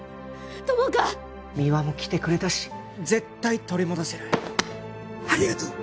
友果三輪も来てくれたし絶対取り戻せるありがとう！